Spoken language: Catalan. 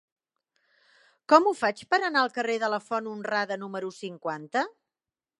Com ho faig per anar al carrer de la Font Honrada número cinquanta?